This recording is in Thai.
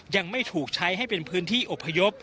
ยังไม่ถูกใช้ให้เป็นพื้นที่อบพยพ